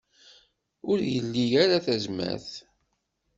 Ur ili ara tazmert.